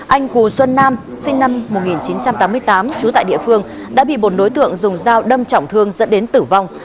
anh cù xuân nam sinh năm một nghìn chín trăm tám mươi tám trú tại địa phương đã bị một đối tượng dùng dao đâm trọng thương dẫn đến tử vong